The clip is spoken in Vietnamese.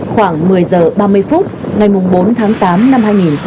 khoảng một mươi h ba mươi phút ngày bốn tháng tám năm hai nghìn hai mươi hai